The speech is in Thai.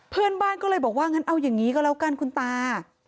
เพื่อนบ้านก็เลยบอกว่างั้นเอาอย่างนี้ก็แล้วกันคุณตา